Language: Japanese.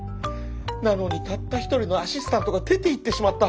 なのにたった一人のアシスタントが出ていってしまった！